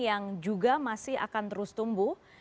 yang juga masih akan terus tumbuh